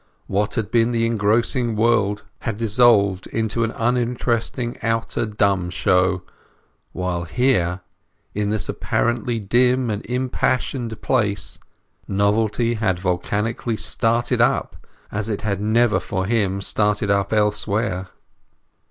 What had been the engrossing world had dissolved into an uninteresting outer dumb show; while here, in this apparently dim and unimpassioned place, novelty had volcanically started up, as it had never, for him, started up elsewhere.